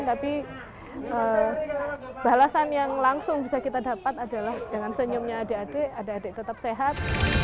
tapi balasan yang langsung bisa kita dapat adalah dengan senyumnya adik adik adik adik tetap sehat